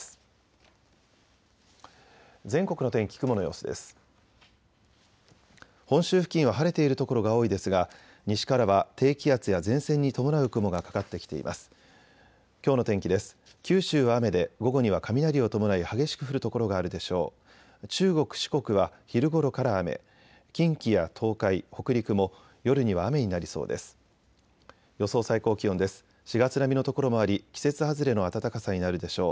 九州は雨で午後には雷を伴い激しく降る所があるでしょう。